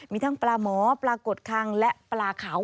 มีทั้งปลาหมอปลากดคังและปลาขาว